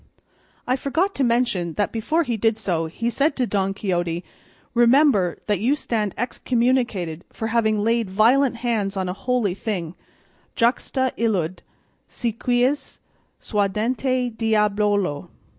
I forgot to mention that before he did so he said to Don Quixote, "Remember that you stand excommunicated for having laid violent hands on a holy thing, juxta illud, si quis, suadente diabolo."